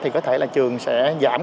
thì có thể là trường sẽ giảm